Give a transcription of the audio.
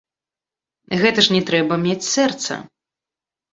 Гэта ж не трэба мець сэрца!